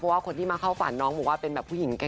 เพราะว่าคนที่มาเข้าฝันน้องบอกว่าเป็นแบบผู้หญิงแก่